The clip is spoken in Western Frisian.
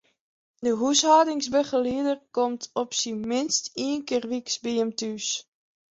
De húshâldingsbegelieder komt op syn minst ien kear wyks by jin thús.